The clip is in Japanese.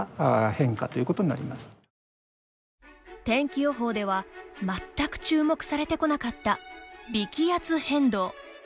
天気予報では全く注目されてこなかった微気圧変動。